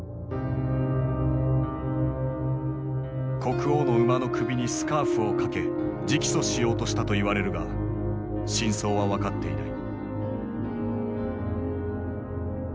国王の馬の首にスカーフを掛け直訴しようとしたといわれるが真相は分かっていない。